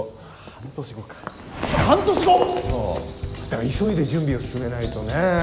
だから急いで準備を進めないとねえ。